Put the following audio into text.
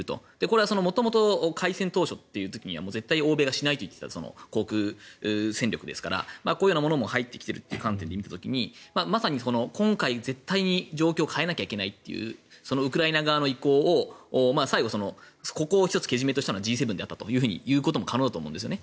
これは元々開戦当初という時には絶対に欧米がしないと言っていた航空戦力ですからこういうものも入ってきているという観点で見た時に今回、絶対に状況を変えなきゃいけないというウクライナ側の意向を最後、ここを１つけじめとしたのはＧ７としたと言うのも可能だと思うんですね。